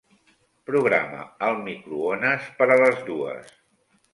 Programa el microones per a les dues.